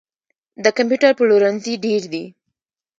د کمپیوټر پلورنځي ډیر دي